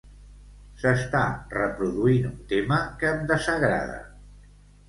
S'està reproduint un tema que em desagrada.